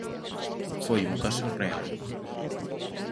Foi un caso real.